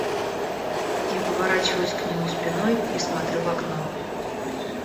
Я поворачиваюсь к нему спиной и смотрю в окно.